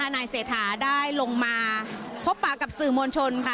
นายเศรษฐาได้ลงมาพบปากกับสื่อมวลชนค่ะ